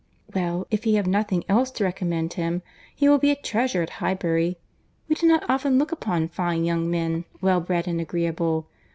"Well, if he have nothing else to recommend him, he will be a treasure at Highbury. We do not often look upon fine young men, well bred and agreeable.